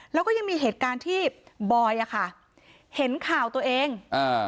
แล้วก็ยังมีเหตุการณ์ที่บอยอ่ะค่ะเห็นข่าวตัวเองอ่า